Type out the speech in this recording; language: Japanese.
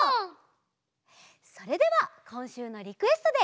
それではこんしゅうのリクエストで。